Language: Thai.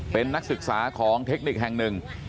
เป็นนักศึกษาของเทคนิคแห่งหนึ่ง